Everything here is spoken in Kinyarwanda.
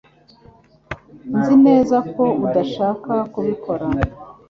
Nzi neza ko udashaka kubikora